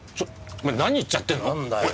何言っちゃってんの！？